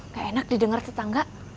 gak enak didengar tetangga